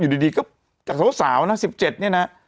อยู่ดีก็สาวนะ๑๗เนี่ยนะ